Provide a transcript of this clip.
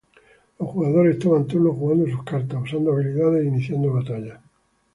Los jugadores toman turnos jugando sus cartas, usando habilidades, e iniciando batallas.